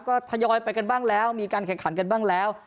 ก็ทยอยไปกันบ้างแล้วมีการแข่งขันกันบ้างแล้ว